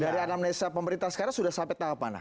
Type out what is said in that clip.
dari anamnesa pemerintah sekarang sudah sampai tahap mana